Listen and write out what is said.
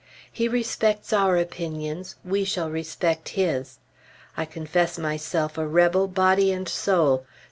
He respects our opinions, we shall respect his. I confess myself a rebel, body and soul.